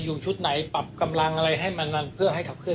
ชุดไหนปรับกำลังอะไรให้มันเพื่อให้ขับเคล